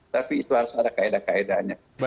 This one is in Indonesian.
tapi itu harus ada kaedah kaedahnya